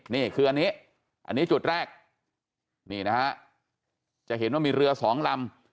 นี่คืออันนี้อันนี้จุดแรกนี่นะฮะจะเห็นว่ามีเรือสองลำ